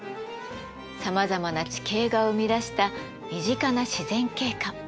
さまざまな地形が生み出した身近な自然景観。